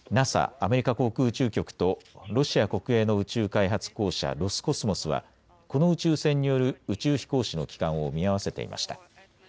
・アメリカ航空宇宙局とロシア国営の宇宙開発公社ロスコスモスはこの宇宙船による宇宙飛行士の帰還を見合わせていました。